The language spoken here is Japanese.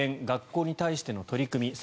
学校に対しての取り組み